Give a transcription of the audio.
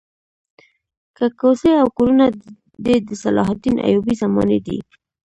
که کوڅې او که کورونه دي د صلاح الدین ایوبي زمانې دي.